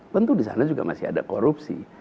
tentu di sana juga masih ada korupsi